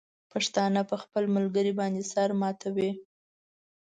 پښتانه په خپل ملګري باندې سر ماتوي.